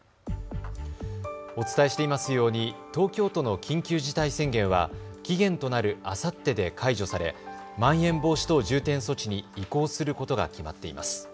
お伝えしていますように東京都の緊急事態宣言は期限となるあさってで解除されまん延防止等重点措置に移行することが決まっています。